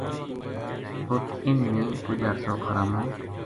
اُت اِنھ نے کُج عرصو خرامو